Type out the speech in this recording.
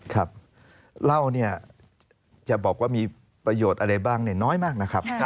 ครับเหล้าเนี่ยจะบอกว่ามีประโยชน์อะไรบ้างน้อยมากนะครับ